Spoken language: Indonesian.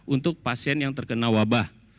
untuk pasien yang terkena wabah